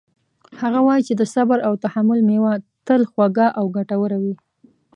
هغه وایي چې د صبر او تحمل میوه تل خوږه او ګټوره وي